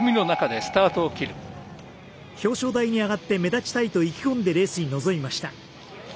表彰台に上がって目立ちたいと意気込んでレースに臨みました。